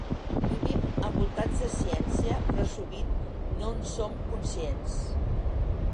Vivim envoltats de ciència, però sovint no en som conscients.